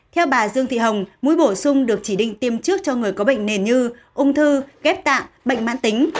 theo bà dương thị hồng mũi bổ sung được chỉ định tiêm trước cho người có bệnh nền như ung thư ghép tạng bệnh mãn tính